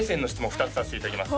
２つさせていただきます！